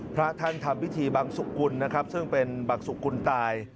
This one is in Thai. พระท่านทำพิธีบังสุกุลนะครับซึ่งเป็นบังสุกุลตาย